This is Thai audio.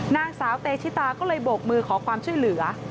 นางสาวเตชิตาก็เลยโบกมือขอความช่วยเหลือ